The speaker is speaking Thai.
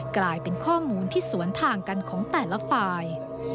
กลายเป็นข้อมูลที่สวนทางกันของแต่ละฝ่าย